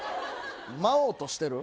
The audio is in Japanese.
舞おうとしてる？